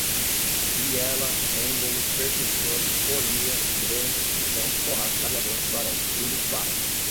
biela, êmbolo, percursor, polia, dreno, pistão, forrar, radiador, varão, trilho, barra